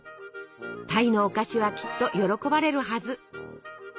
鯛のお菓子はきっと喜ばれるはず。